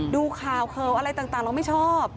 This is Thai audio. ดูข่าวข่าวอะไรต่างเราไม่ชอบ